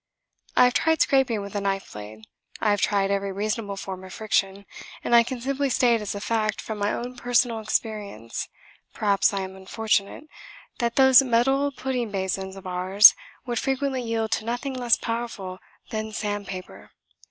I have tried scraping with a knife blade, I have tried every reasonable form of friction, and I can simply state as a fact from my own personal experience (perhaps I am unfortunate) that those metal pudding basins of ours would frequently yield to nothing less powerful than sandpaper.